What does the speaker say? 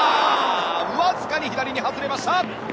わずかに左に外れました。